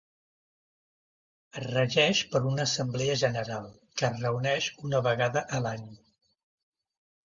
Es regeix per una Assemblea General, que es reuneix una vegada a l'any.